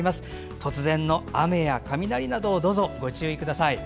突然の雨や雷などにどうぞご注意ください。